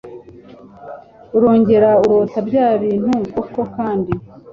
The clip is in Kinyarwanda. Urongera urota bya bibntu koko kandi.